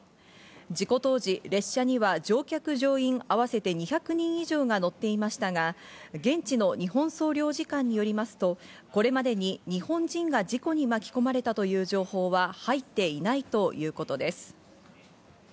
事故当時、列車には乗客乗員合わせて２００人以上が乗っていましたが、現地の日本総領事館によりますと、これまでに日本人が事故に巻き込まれたという情報は入っていないということです。